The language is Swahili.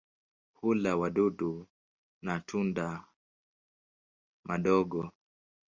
Hula wadudu na tunda madogo.